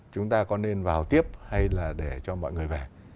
chúng ta có nên vào tiếp hay là để cho mọi người về